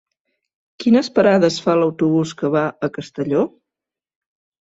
Quines parades fa l'autobús que va a Castelló?